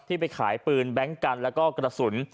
ไปขายปืนแบงค์กันแล้วก็กระสุน